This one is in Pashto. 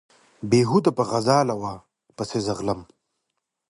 بېهوده په غزاله وو پسې ځغلم